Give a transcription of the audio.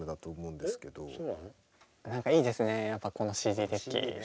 何かいいですねやっぱこのＣＤデッキ。